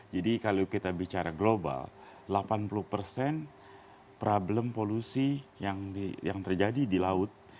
jadi kalau kita bicara global delapan puluh persen problem polusi yang terjadi di laut